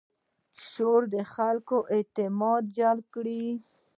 شورا د خلکو اعتماد جلب کړي.